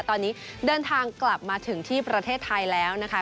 ตอนนี้เดินทางกลับมาถึงที่ประเทศไทยแล้วนะคะ